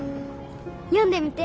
読んでみて。